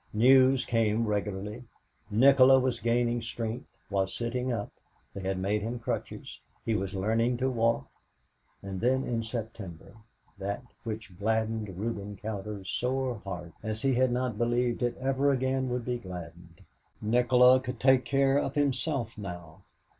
News came regularly. Nikola was gaining strength, was sitting up; they had made him crutches, he was learning to walk; and then, in September, that which gladdened Reuben Cowder's sore heart as he had not believed it ever again would be gladdened Nikola could take care of himself now.